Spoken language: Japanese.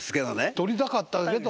取りたかったけど。